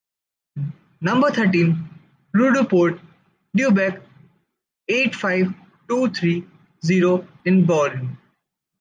Number thirteen, Rue du Port du Bec, eight-five-two-three-zero in Bouin.